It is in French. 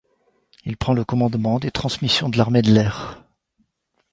Il prend le commandement des transmissions de l'Armée de l'air.